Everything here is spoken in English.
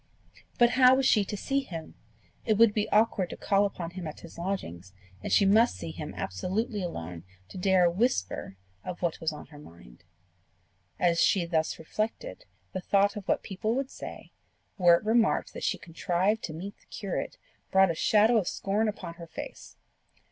But how was she to see him? It would be awkward to call upon him at his lodgings, and she must see him absolutely alone to dare a whisper of what was on her mind. As she thus reflected, the thought of what people would say, were it remarked that she contrived to meet the curate, brought a shadow of scorn upon her face.